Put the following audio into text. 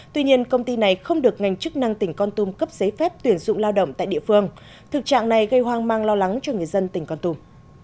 tuy nhiên công ty này không được ngành chức năng tỉnh con tum cấp giấy phép tuyển dụng lao động tại địa phương thực trạng này gây hoang mang lo lắng cho người dân tỉnh con tum